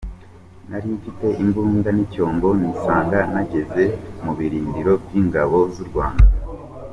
"Nari mfite imbunda n’icyombo nisanga nageze mu birindiro by’ingabo z’u Rwanda.